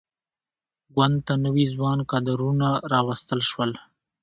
ګوند ته نوي ځوان کدرونه راوستل شول.